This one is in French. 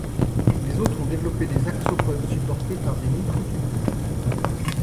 D'autres ont développé des axopodes supportés par des microtubules.